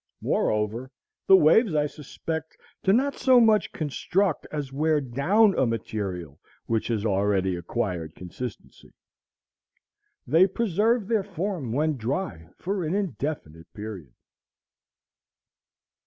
Moreover, the waves, I suspect, do not so much construct as wear down a material which has already acquired consistency. They preserve their form when dry for an indefinite period.